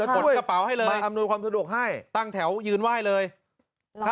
จดกระเป๋าให้เลยไปอำนวยความสะดวกให้ตั้งแถวยืนไหว้เลย